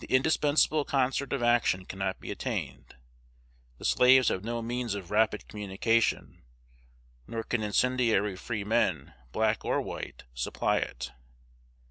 The indispensable concert of action cannot be attained. The slaves have no means of rapid communication; nor can incendiary free men, black or white, supply it.